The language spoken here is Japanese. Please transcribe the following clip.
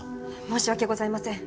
申し訳ございません。